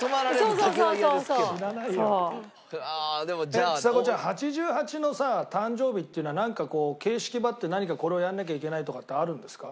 えっちさ子ちゃん８８のさ誕生日っていうのはなんかこう形式張って何かこれをやらなきゃいけないとかってあるんですか？